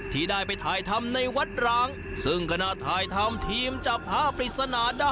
ที่ได้ไปถ่ายทำในวัดหลางซึ่งกระหน้าถ่ายทำทีมจะพาพริษณาได้